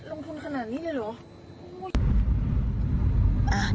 ลงทุนขนาดนี้เลยเหรอ